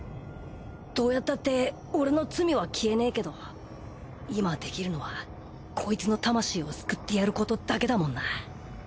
どうやったって俺の罪は消えねえけど今できるのはコイツの魂を救ってやることだけだもんな。